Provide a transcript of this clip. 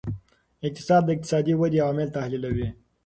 اقتصاد د اقتصادي ودې عوامل تحلیلوي.